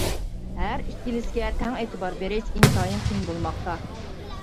ھەر ئىككىلىسىگە تەڭ ئېتىبار بېرىش ئىنتايىن قىيىن بولماقتا.